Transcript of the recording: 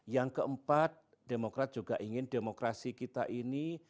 yang keempat demokrat juga ingin demokrasi kita ini